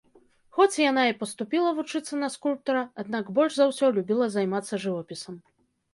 Хоць яна і паступіла вучыцца на скульптара, аднак больш за ўсё любіла займацца жывапісам.